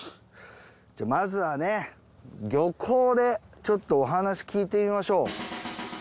じゃあまずはね漁港でちょっとお話聞いてみましょう。